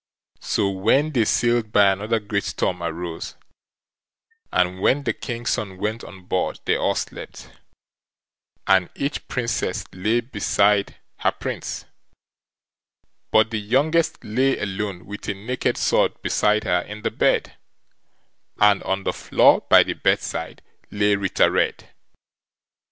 So when they sailed by another great storm arose, and when the king's son went on board they all slept, and each Princess lay beside her Prince; but the youngest lay alone with a naked sword beside her in the bed, and on the floor by the bedside lay Ritter Red.